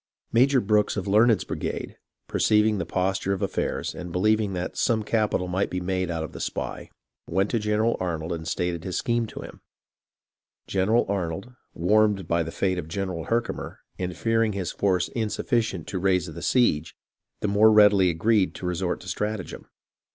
Major Brooks of Larned's brigade, perceiving the posture of affairs, and believing that some capital might be made out of the spy, went to 200 HISTORY OF THE AMERICAN REVOLUTION General Arnold and stated his scheme to him. General Arnold, warned by the fate of General Herkimer, and fear ing his force insufficient to raise the siege, the more readily agreed to resort to stratagem.